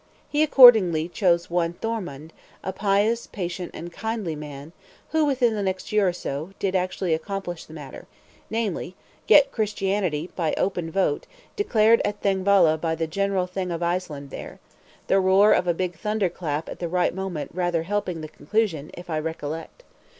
He accordingly chose one Thormod, a pious, patient, and kindly man, who, within the next year or so, did actually accomplish the matter; namely, get Christianity, by open vote, declared at Thingvalla by the general Thing of Iceland there; the roar of a big thunder clap at the right moment rather helping the conclusion, if I recollect.